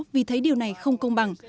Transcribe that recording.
vì thấy điều này không công bằng